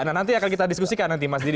nah nanti akan kita diskusikan nanti mas didi